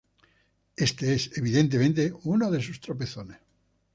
Este es, evidentemente, uno de sus tropezones